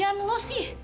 yang lu sih